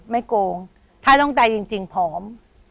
ไม่โกงถ้าต้องตายจริงพร้อม